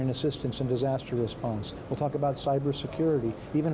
dan kita akan membahas hal hal keamanan hal hal pemerintahan